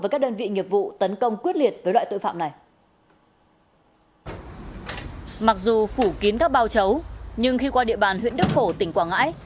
mặc dù phủ kiến các bao chấu nhưng khi qua địa bàn huyện đức phổ tỉnh quảng ngãi